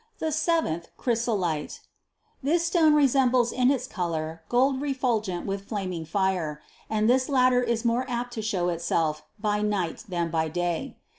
291. "The seventh, chrysolite." This stone resembles in its color gold refulgent with flaming fire; and this latter is more apt to show itself by night than by day.